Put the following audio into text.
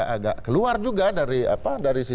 agak keluar juga dari sisi